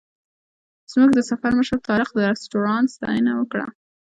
زموږ د سفر مشر طارق د رسټورانټ ستاینه وکړه.